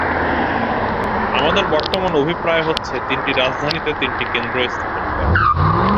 আমার বর্তমান অভিপ্রায় হচ্ছে তিনটি রাজধানীতে তিনটি কেন্দ্র স্থাপন করা।